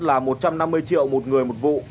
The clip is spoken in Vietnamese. là một trăm năm mươi triệu một người một vụ